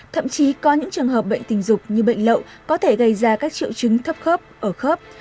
thậm chí có những trường hợp bệnh tình dục như bệnh lậu có thể gây ra các triệu chứng thấp khớp ở khớp